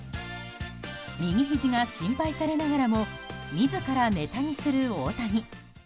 右ひじが心配されながらも自らネタにする大谷。